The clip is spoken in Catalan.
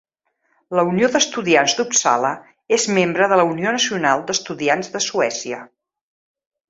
La Unió d'Estudiants d'Uppsala és membre de la Unió Nacional d'Estudiants de Suècia.